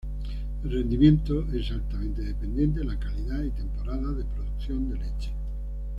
El rendimiento es altamente dependiente de la calidad y temporada de producción de leche.